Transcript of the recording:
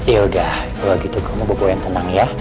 yaudah kalau begitu kamu bawa bawa yang tenang ya